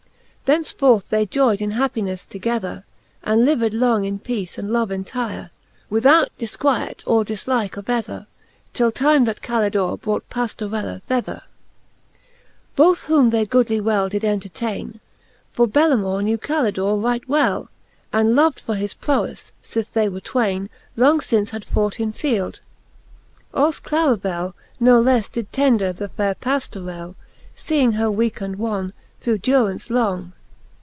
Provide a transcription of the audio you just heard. Thenceforth they joy'd in happineffe together, And lived long in peace and love entyre. Without difquiet or dillike of ether. Till time that Calidore brought Pajlorella thether, XI. Both whom they goodly well did entertaine ; For Bellamour knew Calidore right well. And loved for his proweffe, fith they twaine Long fince had fought in field. Als Claribell No lefTe did tender the faire Pajlorelly Seeing her weake and wan, through durance long.